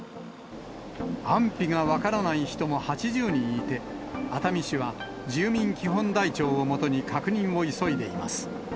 安否が分からない人も８０人いて、熱海市は住民基本台帳を基に確認を急いでいます。